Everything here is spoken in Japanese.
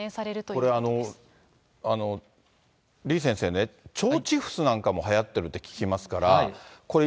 これ、李先生ね、腸チフスなんかもはやってるって聞きますから、これ、